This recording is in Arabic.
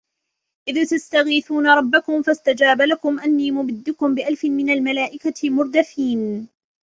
إذ تستغيثون ربكم فاستجاب لكم أني ممدكم بألف من الملائكة مردفين